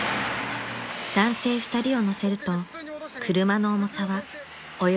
［男性２人を乗せると車の重さはおよそ２５０ｋｇ］